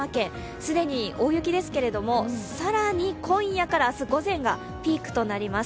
既に大雪ですけれども、更に今夜から明日午前がピークとなります。